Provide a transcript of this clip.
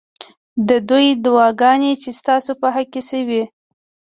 ددوی دا دعاګانې چې ستا سو په حق کي شوي